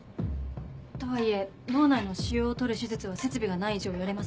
とはいえ脳内の腫瘍を取る手術は設備がない以上やれません。